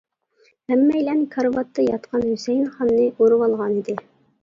ھەممەيلەن كارىۋاتتا ياتقان ھۈسەيىن خاننى ئورىۋالغانىدى.